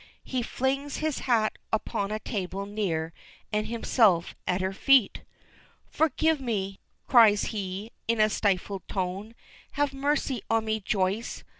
He flings his hat upon a table near, and himself at her feet. "Forgive me!" cries he, in a stifled tone. "Have mercy on me, Joyce!